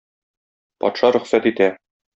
Патша рөхсәт итә.